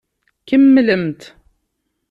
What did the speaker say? Kemmlemt!